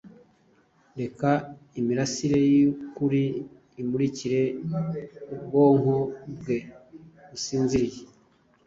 reka imirasire yukuri imurikire ubwonko bwe businziriye.